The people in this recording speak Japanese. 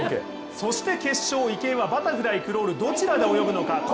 そして決勝、池江はバタフライ、クロール、どちらで泳ぐのか。